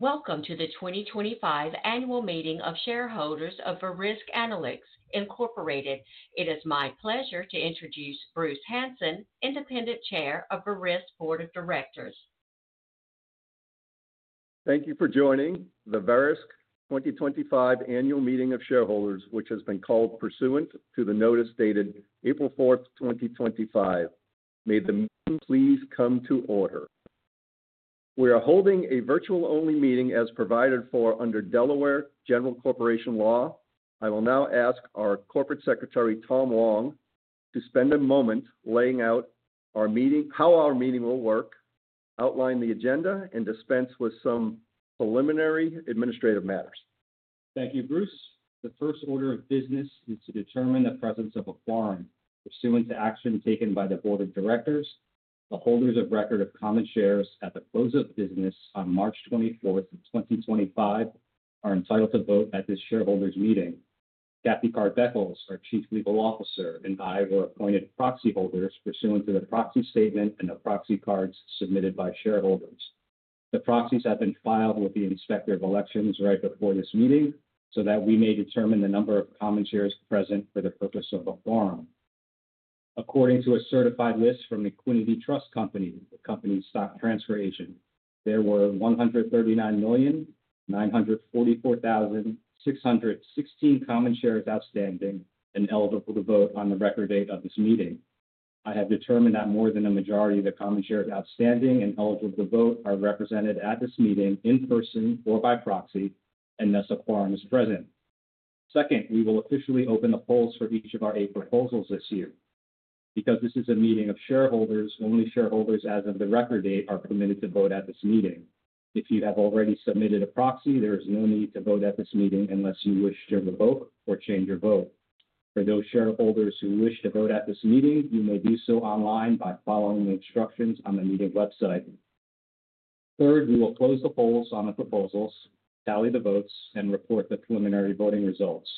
Welcome to the 2025 Annual Meeting of Shareholders of Verisk Analytics. It is my pleasure to introduce Bruce Hansen, Independent Chair of Verisk Board of Directors. Thank you for joining the Verisk 2025 Annual Meeting of Shareholders, which has been called pursuant to the notice dated April 4th, 2025. May the meeting please come to order. We are holding a virtual-only meeting as provided for under Delaware General Corporation Law. I will now ask our Corporate Secretary, Thomas Wong, to spend a moment laying out how our meeting will work, outline the agenda, and dispense with some preliminary administrative matters. Thank you, Bruce. The 1st order of business is to determine the presence of a quorum pursuant to action taken by the Board of Directors. The holders of record of common shares at the close of business on March 24th, 2025, are entitled to vote at this shareholders' meeting. Kathy Card Beckles, our Chief Legal Officer, and I were appointed proxy holders pursuant to the proxy statement and the proxy cards submitted by shareholders. The proxies have been filed with the Inspector of Elections right before this meeting so that we may determine the number of common shares present for the purpose of the quorum. According to a certified list from the Equiniti Trust Company, the company's stock transfer agent, there were 139,944,616 common shares outstanding and eligible to vote on the record date of this meeting. I have determined that more than a majority of the common shares outstanding and eligible to vote are represented at this meeting in person or by proxy, and thus a quorum is present. 2nd, we will officially open the polls for each of our eight proposals this year. Because this is a meeting of shareholders, only shareholders as of the record date are permitted to vote at this meeting. If you have already submitted a proxy, there is no need to vote at this meeting unless you wish to revoke or change your vote. For those shareholders who wish to vote at this meeting, you may do so online by following the instructions on the meeting website. 3rd, we will close the polls on the proposals, tally the votes, and report the preliminary voting results.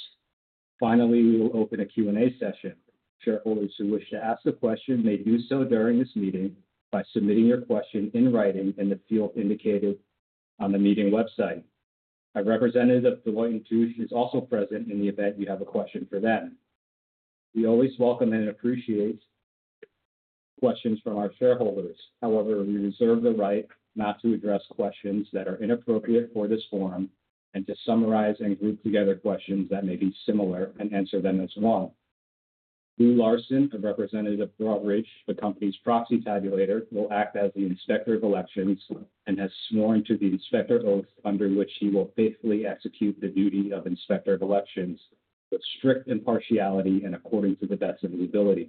Finally, we will open a Q&A session. Shareholders who wish to ask a question may do so during this meeting by submitting your question in writing in the field indicated on the meeting website. A representative of Deloitte & Touche is also present in the event you have a question for them. We always welcome and appreciate questions from our shareholders. However, we reserve the right not to address questions that are inappropriate for this forum and to summarize and group together questions that may be similar and answer them as one. Lou Larson, a representative of Robert Rich, the company's proxy tabulator, will act as the Inspector of Elections and has sworn to the Inspector Oath, under which he will faithfully execute the duty of Inspector of Elections with strict impartiality and according to the best of his abilities.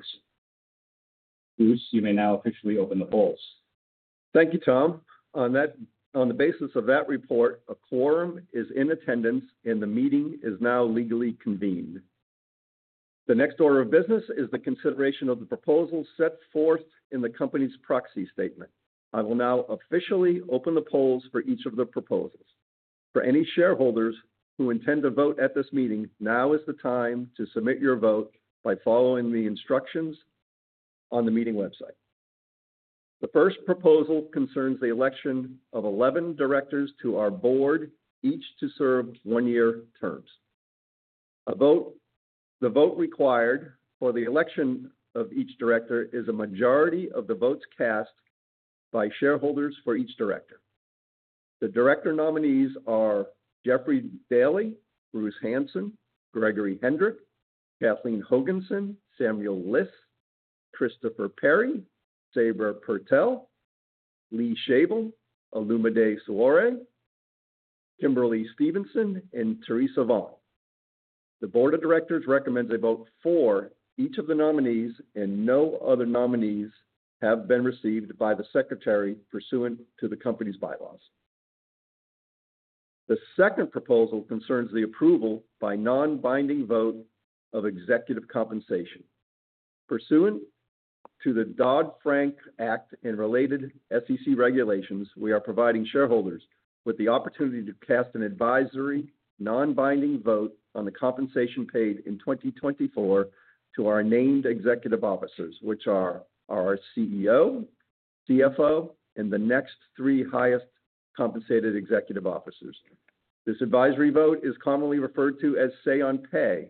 Bruce, you may now officially open the polls. Thank you, Thomas. On the basis of that report, a quorum is in attendance, and the meeting is now legally convened. The next order of business is the consideration of the proposals set forth in the company's proxy statement. I will now officially open the polls for each of the proposals. For any shareholders who intend to vote at this meeting, now is the time to submit your vote by following the instructions on the meeting website. The 1st proposal concerns the election of 11 directors to our board, each to serve one-year terms. The vote required for the election of each director is a majority of the votes cast by shareholders for each director. The director nominees are Jeffrey Daley, Bruce Hansen, Gregory Hendrick, Kathleen Hoganson, Samuel Liss, Christopher Perry, Saber Purtell, Lee Shavel, Alumide Soare, Kimberly Stevenson, and Teresa Vaughn. The Board of Directors recommends a vote for each of the nominees, and no other nominees have been received by the Secretary pursuant to the company's bylaws. The 2rd proposal concerns the approval by non-binding vote of executive compensation. Pursuant to the Dodd-Frank Act and related SEC regulations, we are providing shareholders with the opportunity to cast an advisory non-binding vote on the compensation paid in 2024 to our named executive officers, which are our CEO, CFO, and the next three highest compensated executive officers. This advisory vote is commonly referred to as say-on-pay.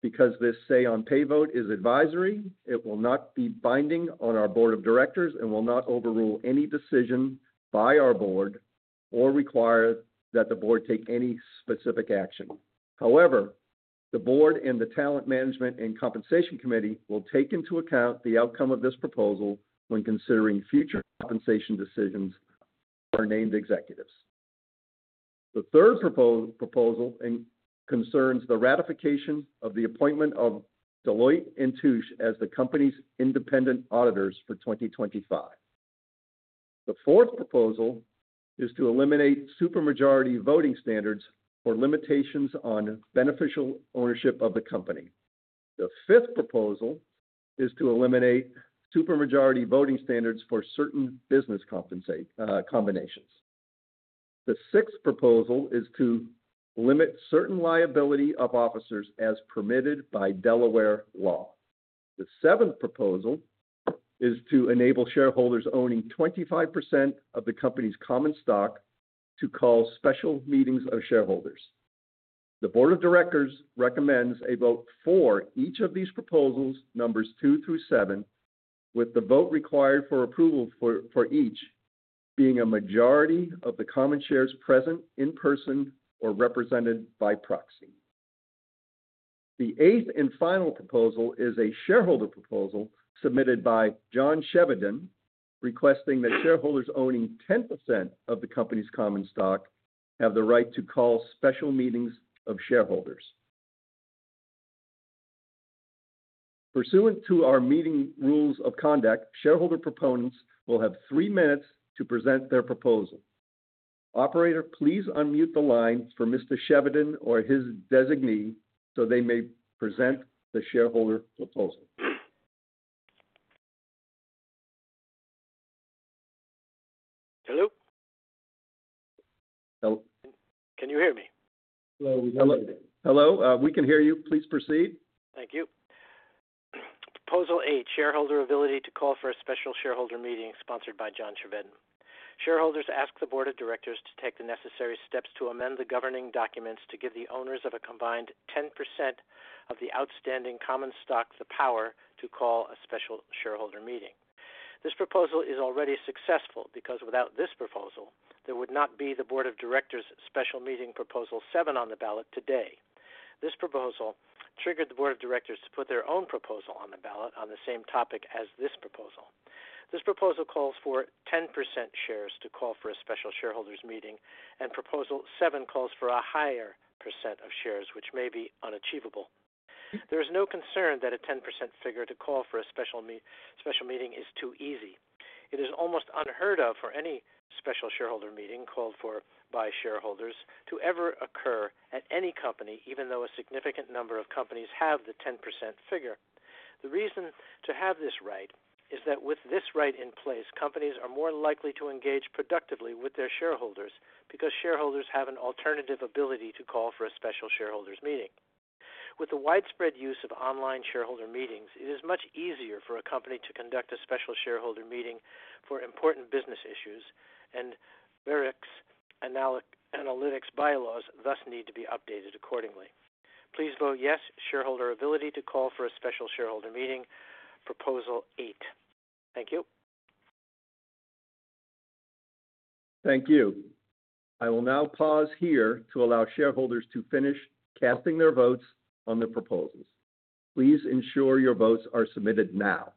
Because this say-on-pay vote is advisory, it will not be binding on our Board of Directors and will not overrule any decision by our board or require that the board take any specific action. However, the board and the Talent Management and Compensation Committee will take into account the outcome of this proposal when considering future compensation decisions for our named executives. The 3rd proposal concerns the ratification of the appointment of Deloitte & Touche as the company's independent auditors for 2025. The fourth proposal is to eliminate supermajority voting standards or limitations on beneficial ownership of the company. The fifth proposal is to eliminate supermajority voting standards for certain business combinations. The sixth proposal is to limit certain liability of officers as permitted by Delaware law. The seventh proposal is to enable shareholders owning 25% of the company's common stock to call special meetings of shareholders. The Board of Directors recommends a vote for each of these proposals, numbers two through seven, with the vote required for approval for each being a majority of the common shares present in person or represented by proxy. The eighth and final proposal is a shareholder proposal submitted by John Shevden, requesting that shareholders owning 10% of the company's common stock have the right to call special meetings of shareholders. Pursuant to our meeting rules of conduct, shareholder proponents will have three minutes to present their proposal. Operator, please unmute the line for Mr. Shevden or his designee so they may present the shareholder proposal. Hello? Hello? Can you hear me? Hello. Hello? Hello. We can hear you. Please proceed. Thank you. Proposal eight, shareholder ability to call for a special shareholder meeting sponsored by John Shevden. Shareholders ask the Board of Directors to take the necessary steps to amend the governing documents to give the owners of a combined 10% of the outstanding common stock the power to call a special shareholder meeting. This proposal is already successful because without this proposal, there would not be the Board of Directors' special meeting proposal seven on the ballot today. This proposal triggered the Board of Directors to put their own proposal on the ballot on the same topic as this proposal. This proposal calls for 10% shares to call for a special shareholders' meeting, and proposal seven calls for a higher % of shares, which may be unachievable. There is no concern that a 10% figure to call for a special meeting is too easy. It is almost unheard of for any special shareholder meeting called for by shareholders to ever occur at any company, even though a significant number of companies have the 10% figure. The reason to have this right is that with this right in place, companies are more likely to engage productively with their shareholders because shareholders have an alternative ability to call for a special shareholders' meeting. With the widespread use of online shareholder meetings, it is much easier for a company to conduct a special shareholder meeting for important business issues, and Verisk Analytics' bylaws thus need to be updated accordingly. Please vote yes, shareholder ability to call for a special shareholder meeting, Proposal 8. Thank you. Thank you. I will now pause here to allow shareholders to finish casting their votes on the proposals. Please ensure your votes are submitted now.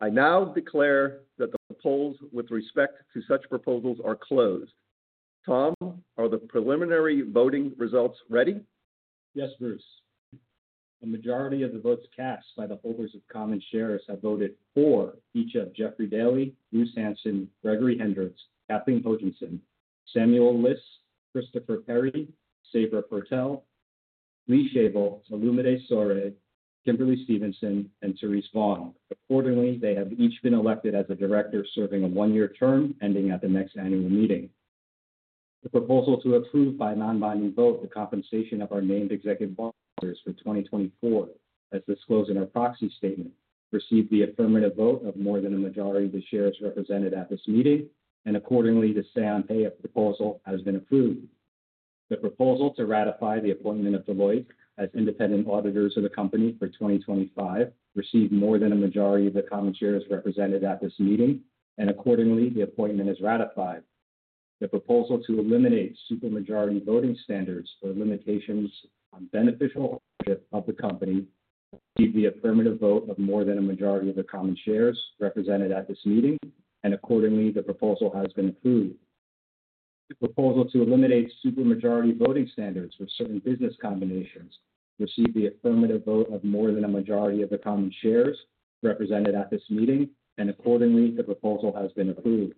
I now declare that the polls with respect to such proposals are closed. Thomas, are the preliminary voting results ready? Yes, Bruce. A majority of the votes cast by the holders of common shares have voted for each of Jeffrey Daley, Bruce Hansen, Gregory Hendrick, Kathleen Hoganson, Samuel Liss, Christopher Perry, Saber Purtell, Lee Shavel, Alumide Soare, Kimberly Stevenson, and Teresa Vaughn. Accordingly, they have each been elected as a director serving a one-year term ending at the next annual meeting. The proposal to approve by non-binding vote the compensation of our named executive officers for 2024, as disclosed in our proxy statement, received the affirmative vote of more than a majority of the shares represented at this meeting, and accordingly, the say-on-pay proposal has been approved. The proposal to ratify the appointment of Deloitte & Touche as independent auditors of the company for 2025 received more than a majority of the common shares represented at this meeting, and accordingly, the appointment is ratified. The proposal to eliminate supermajority voting standards or limitations on beneficial ownership of the company received the affirmative vote of more than a majority of the common shares represented at this meeting, and accordingly, the proposal has been approved. The proposal to eliminate supermajority voting standards for certain business combinations received the affirmative vote of more than a majority of the common shares represented at this meeting, and accordingly, the proposal has been approved.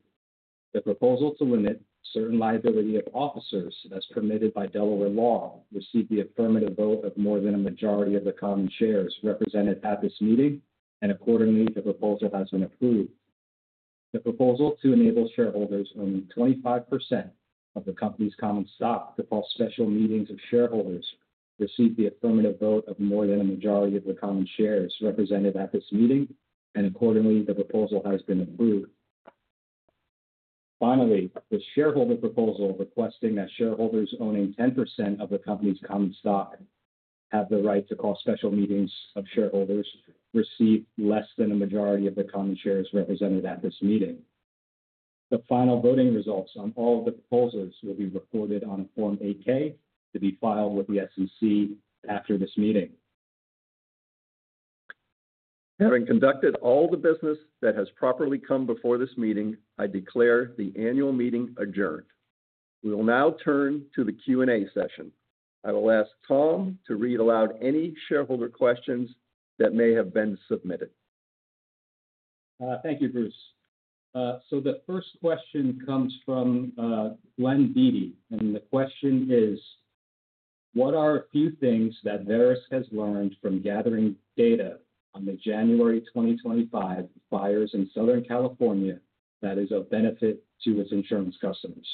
The proposal to limit certain liability of officers as permitted by Delaware law received the affirmative vote of more than a majority of the common shares represented at this meeting, and accordingly, the proposal has been approved. The proposal to enable shareholders owning 25% of the company's common stock to call special meetings of shareholders received the affirmative vote of more than a majority of the common shares represented at this meeting, and accordingly, the proposal has been approved. Finally, the shareholder proposal requesting that shareholders owning 10% of the company's common stock have the right to call special meetings of shareholders received less than a majority of the common shares represented at this meeting. The final voting results on all of the proposals will be recorded on a Form 8-K to be filed with the SEC after this meeting. Having conducted all the business that has properly come before this meeting, I declare the annual meeting adjourned. We will now turn to the Q&A session. I will ask Thomas to read aloud any shareholder questions that may have been submitted. Thank you, Bruce. The first question comes from Glenn Beatty, and the question is, what are a few things that Verisk has learned from gathering data on the January 2025 fires in Southern California that is of benefit to its insurance customers?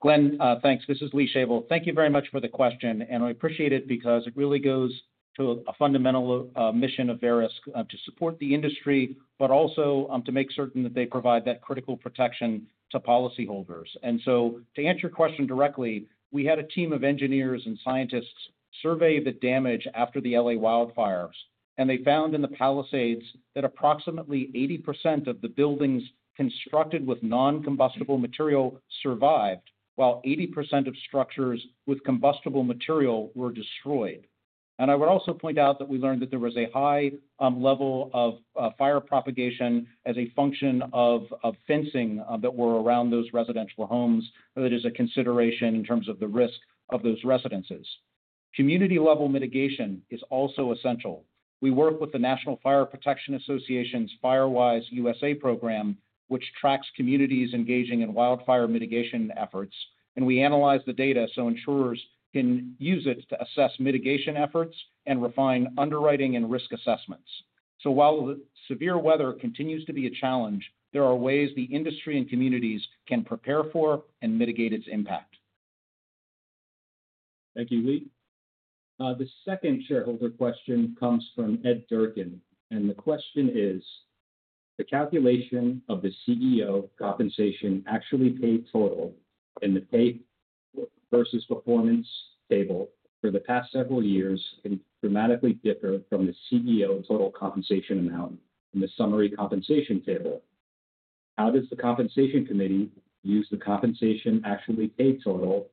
Glenn, thanks. This is Lee Shavel. Thank you very much for the question, and I appreciate it because it really goes to a fundamental mission of Verisk to support the industry, but also to make certain that they provide that critical protection to policyholders. To answer your question directly, we had a team of engineers and scientists survey the damage after the LA wildfires, and they found in the Palisades that approximately 80% of the buildings constructed with non-combustible material survived, while 80% of structures with combustible material were destroyed. I would also point out that we learned that there was a high level of fire propagation as a function of fencing that were around those residential homes. That is a consideration in terms of the risk of those residences. Community-level mitigation is also essential. We work with the National Fire Protection Association's Firewise USA program, which tracks communities engaging in wildfire mitigation efforts, and we analyze the data so insurers can use it to assess mitigation efforts and refine underwriting and risk assessments. While severe weather continues to be a challenge, there are ways the industry and communities can prepare for and mitigate its impact. Thank you, Lee. The second shareholder question comes from Ed Dierken, and the question is, the calculation of the CEO compensation actually paid total in the pay versus performance table for the past several years can dramatically differ from the CEO total compensation amount in the summary compensation table. How does the compensation committee use the compensation actually paid total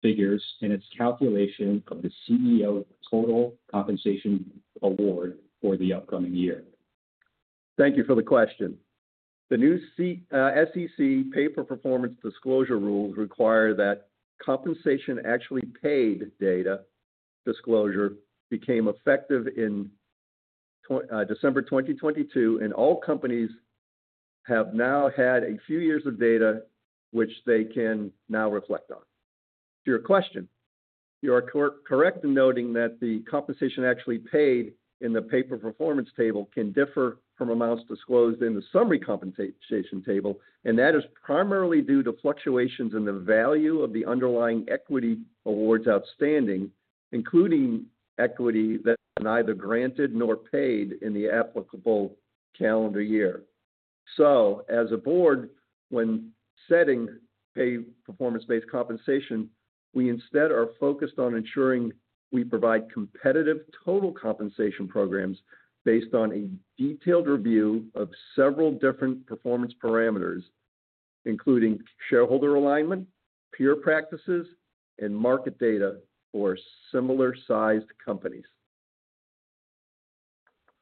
figures in its calculation of the CEO total compensation award for the upcoming year? Thank you for the question. The new SEC pay-for-performance disclosure rules require that compensation actually paid data disclosure became effective in December 2022, and all companies have now had a few years of data which they can now reflect on. To your question, you are correct in noting that the compensation actually paid in the pay-for-performance table can differ from amounts disclosed in the summary compensation table, and that is primarily due to fluctuations in the value of the underlying equity awards outstanding, including equity that is neither granted nor paid in the applicable calendar year. As a board, when setting pay-performance-based compensation, we instead are focused on ensuring we provide competitive total compensation programs based on a detailed review of several different performance parameters, including shareholder alignment, peer practices, and market data for similar-sized companies.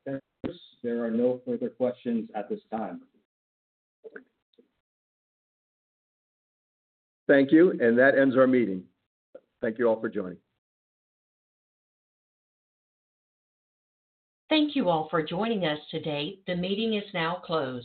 Thank you. There are no further questions at this time. Thank you, and that ends our meeting. Thank you all for joining. Thank you all for joining us today. The meeting is now closed.